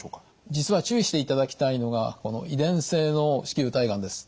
実は注意していただきたいのがこの遺伝性の子宮体がんです。